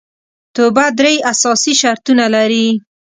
توبه درې اساسي شرطونه لري